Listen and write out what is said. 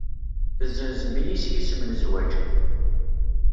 Tessenzem-iyi s yisem n zzwaǧ.